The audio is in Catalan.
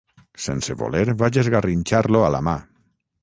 Sense voler vaig esgarrinxar-lo a la mà.